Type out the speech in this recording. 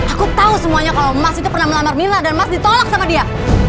aku tahu semuanya kalau emas itu pernah melamar mila dan mas ditolak sama dia